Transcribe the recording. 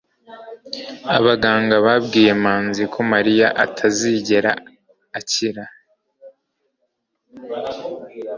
abaganga babwiye manzi ko mariya atazigera akira